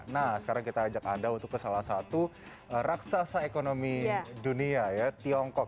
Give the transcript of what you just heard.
nah sekarang kita ajak anda untuk ke salah satu raksasa ekonomi dunia ya tiongkok